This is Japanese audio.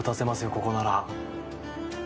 ここなら。